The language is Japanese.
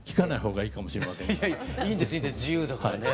いいんですいいんです自由だからね。